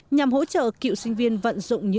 nhằm hỗ trợ cựu sinh viên vận dụng những kiến thức